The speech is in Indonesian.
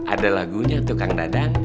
ada lagunya tukang dadang